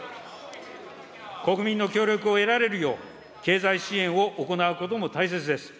国民の協力を得られるよう、経済支援を行うことも大切です。